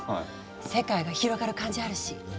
世界が広がる感じあるし。